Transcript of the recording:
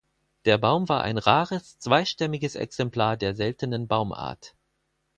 Der Baum war ein rares zweistämmiges Exemplar der seltenen Baumart.